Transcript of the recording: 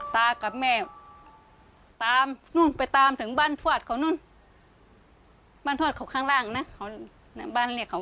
กลางคืนก็ตามกลางวันก็ช่วยกันหาทางข้างบ้าน